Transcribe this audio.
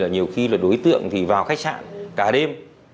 nhiều khi là đối tượng thì vào khách sạn cả đêm